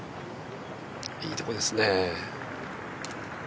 いいところですね。